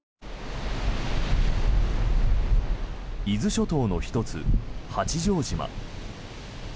伊豆諸島の１つ、八丈島。